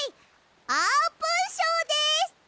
あーぷんショーです！